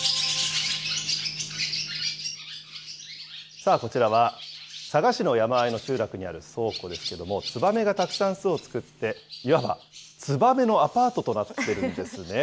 さあ、こちらは佐賀市の山あいの集落にある倉庫ですけれども、ツバメがたくさん巣を作って、いわばツバメのアパートとなっているんですね。